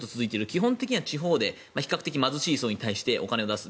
基本的には地方で比較的貧しい層に対してお金を出す。